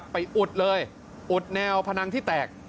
อุดเลยอุดแนวพนังที่แตก